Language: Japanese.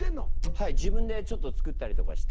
はい自分でちょっと作ったりとかして。